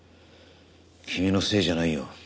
君のせいじゃないよ。